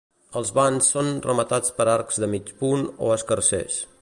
Els vans són rematats per arcs de mig punt o escarsers.